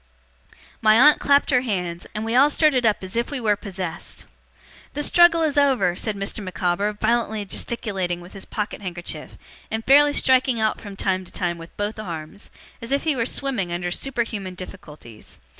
My aunt clapped her hands, and we all started up as if we were possessed. 'The struggle is over!' said Mr. Micawber violently gesticulating with his pocket handkerchief, and fairly striking out from time to time with both arms, as if he were swimming under superhuman difficulties.